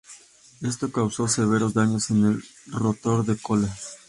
Esto causó severos daños en el rotor de cola.